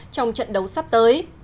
trong trận đấu sắp tới